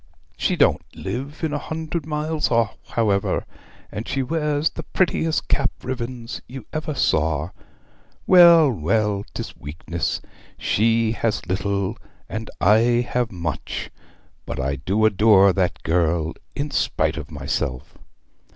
She don't live a hundred miles off, however, and she wears the prettiest cap ribbons you ever saw. Well, well, 'tis weakness! She has little, and I have much; but I do adore that girl, in spite of myself!'